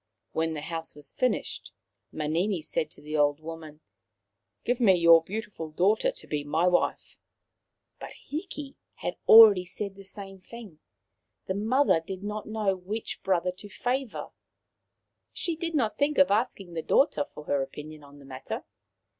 When the house was finished, Manini said to the old woman: " Give me your beautiful daughter to be my wife." But Hiki had already said the same thing. The mother did not know which The Island and the Taniwha 173 brother to favour. She did not think of asking the daughter for her opinion on the matter.